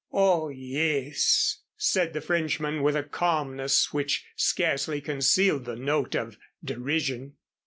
"Oh, yes," said the Frenchman, with a calmness which scarcely concealed the note of derision.